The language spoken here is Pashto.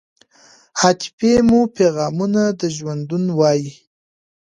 عاطفې مو پیغامونه د ژوندون وای